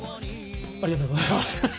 ありがとうございます。